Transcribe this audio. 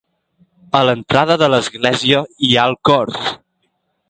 A l'entrada de l'església hi ha el cor.